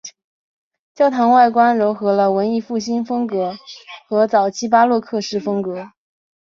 教堂外观揉合了文艺复兴式风格和早期巴洛克式风格。